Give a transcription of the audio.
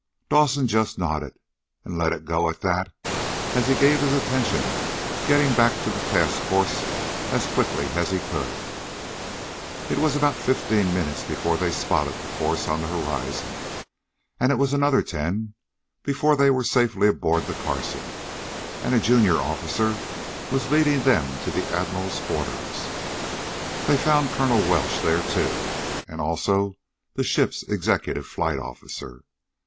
Dawson just nodded, and let it go at that as he gave his attention to getting back to the task force as quickly as he could. It was about fifteen minutes before they spotted the force on the horizon. And it was another ten before they were safely aboard the Carson, and a junior officer was leading them to the Admiral's quarters. They found Colonel Welsh there, too. And also the ship's executive flight officer.